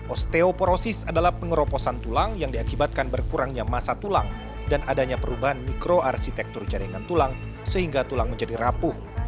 osteoporosis adalah pengeroposan tulang yang diakibatkan berkurangnya masa tulang dan adanya perubahan mikroarsitektur jaringan tulang sehingga tulang menjadi rapuh